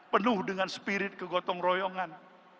penuh dengan spirit kegotong royongan